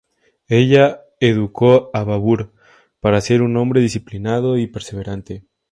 Ella educó a Babur para ser un hombre disciplinado y perseverante.